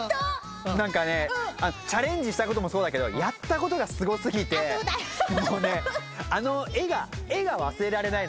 何かねチャレンジしたこともそうだけどやったことがすご過ぎてもうねあの絵が絵が忘れられないの。